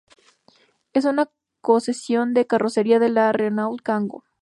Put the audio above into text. Es una concesión de carrocería de la Renault Kangoo.